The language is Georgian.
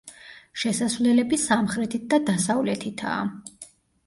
შესასვლელები სამხრეთით და დასავლეთითაა.